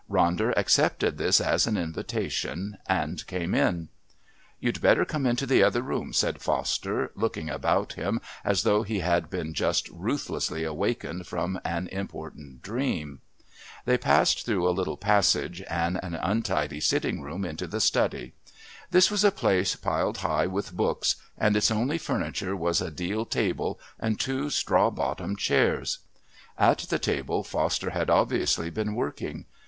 Ronder accepted this as an invitation and came in. "You'd better come into the other room," said Foster, looking about him as though he had been just ruthlessly awakened from an important dream. They passed through a little passage and an untidy sitting room into the study. This was a place piled high with books and its only furniture was a deal table and two straw bottomed chairs. At the table Foster had obviously been working.